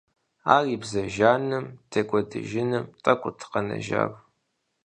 Ар и бзэ жаным текӀуэдэжыным тӀэкӀут къэнэжар.